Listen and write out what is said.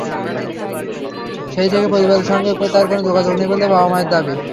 সেই থেকে পরিবারের সঙ্গে তাঁর কোনো যোগাযোগ নেই বলে বাবা-মায়ের দাবি।